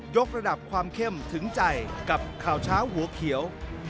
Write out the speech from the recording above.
กระดับความเข้มถึงใจกับข่าวเช้าหัวเขียว